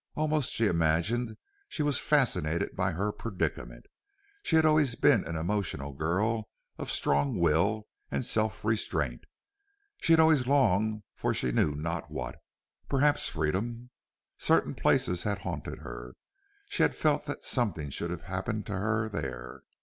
Almost she imagined she was fascinated by her predicament. She had always been an emotional girl of strong will and self restraint. She had always longed for she knew not what perhaps freedom. Certain places had haunted her. She had felt that something should have happened to her there.